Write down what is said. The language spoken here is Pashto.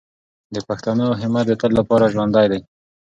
د پښتنو همت د تل لپاره ژوندی دی.